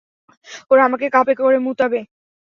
ওরা আমাকে কাপে করে মুতাবে।